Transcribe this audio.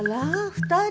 ２人？